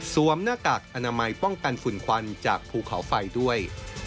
หน้ากากอนามัยป้องกันฝุ่นควันจากภูเขาไฟด้วย